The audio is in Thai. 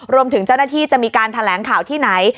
รวมถึงเจ้าหน้าที่จะมีการแถลงข่าวที่ไหน